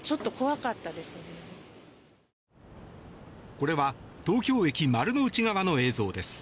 これは東京駅丸の内口側の映像です。